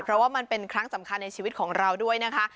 เพราะว่ามันเป็นครั้งสำคัญในชีวิตของเราด้วยนะคะ